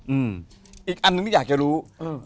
อืมอีกอันหนึ่งที่อยากจะรู้อืม